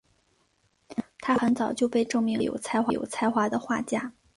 她很早就被证明是一位有才华的画家。